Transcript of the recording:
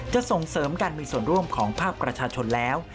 ส่งเสริมการมีส่วนร่วมของภาคประชาชนแล้ว